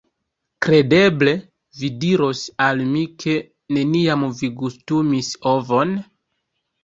Kredeble vi diros al mi ke neniam vi gustumis ovon?